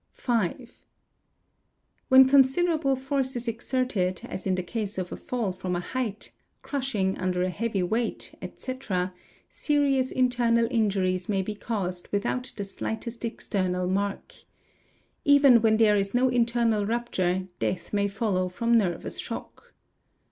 tN 5. When considerable force is exerted, as in the case of a fall from — a height, crushing under a heavy weight, etc., serious internal injuries | may be caused without the slightest external mark. Even when there is no internal rupture, death may follow from nervous shock.